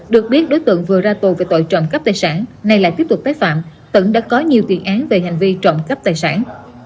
được biết đối tượng vừa ra tù về tội trộm cấp tài sản nay lại tiếp tục tái phạm tửng đã có nhiều tuyên án về hành vi trộm cấp tài sản